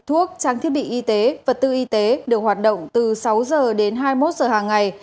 thuốc trang thiết bị y tế vật tư y tế được hoạt động từ sáu h đến hai mươi một giờ hàng ngày